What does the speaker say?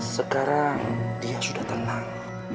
sekarang dia sudah tenang